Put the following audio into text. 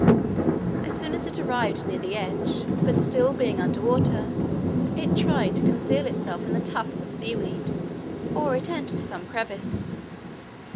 As soon as it arrived near the edge, but still being under water, it tried to conceal itself in the tufts of sea weed, or it entered some crevice.